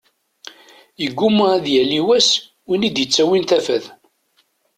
Yegguma ad yali wass win i d-yettawin tafat.